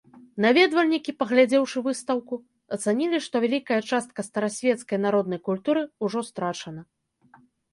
Наведвальнікі, паглядзеўшы выстаўку, ацанілі, што вялікая частка старасвецкай народнай культуры ўжо страчана.